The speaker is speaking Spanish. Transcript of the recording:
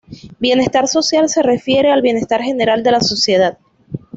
Bienestar social se refiere al bienestar general de la sociedad.